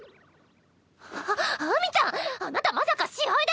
あっ秋水ちゃんあなたまさか試合で。